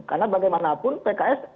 karena bagaimanapun pks